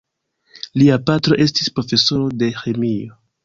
Lia patro estis profesoro de ĥemio.